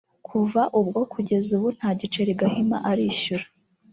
Kuva ubwo kugeza ubu nta nigiceri Gahima arishyura